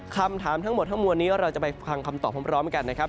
คำถามทั้งหมดทั้งมวลนี้เราจะไปฟังคำตอบพร้อมกันนะครับ